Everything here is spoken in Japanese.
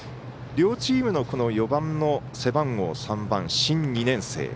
両チームの４番の背番号３番新２年生。